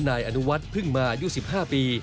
นายอนุวัฒน์พึ่งมาอายุ๑๕ปี